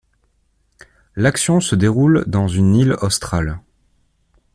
L'action se déroule dans une île australe.